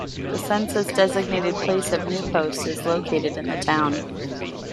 The census-designated place of New Post is located in the town.